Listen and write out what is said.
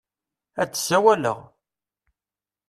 Ad d-sawaleɣ.